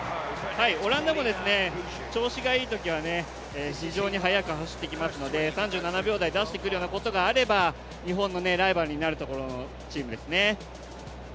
オランダも調子がいいときは非常に速く走ってきますので３７秒台出してくるようなことがあれば日本のライバルになることがあるチームですね。